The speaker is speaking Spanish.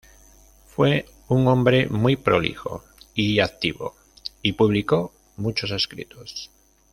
Fue un hombre muy prolijo y activo, y publicó muchos escritos.